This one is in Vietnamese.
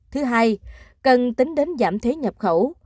thứ hai cần tính đến giảm thuế nhập khẩu